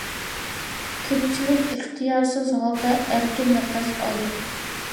كۆپچىلىك ئىختىيارسىز ھالدا ئەركىن نەپەس ئالدۇق.